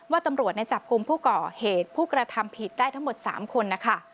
ตำรวจจับกลุ่มผู้ก่อเหตุผู้กระทำผิดได้ทั้งหมด๓คนนะคะ